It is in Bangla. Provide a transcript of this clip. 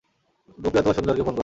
গোপি অথবা সুন্দরকে ফোন করো।